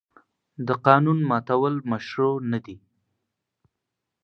د قانون ماتول مشروع نه دي.